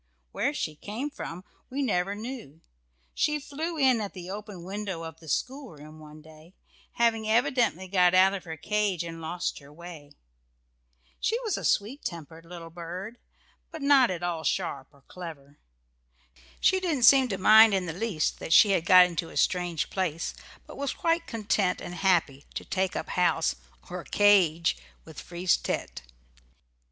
Where she came from we never knew she flew in at the open window of the schoolroom one day, having evidently got out of her cage and lost her way. She was a sweet tempered little bird, but not at all sharp or clever. She didn't seem to mind in the least that she had got into a strange place, but was quite content and happy to take up house, or "cage," with Frise tête.